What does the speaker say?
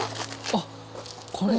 あっこれ。